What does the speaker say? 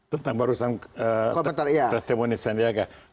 tentang barusan testimoni sandiaga